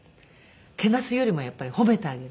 けなすよりもやっぱり褒めてあげる。